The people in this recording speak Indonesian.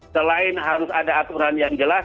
selain harus ada aturan yang jelas